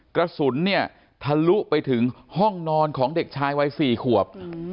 กระสุนเนี่ยทะลุไปถึงห้องนอนของเด็กชายวัย๔ขวบ